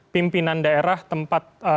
pimpinan daerah tempat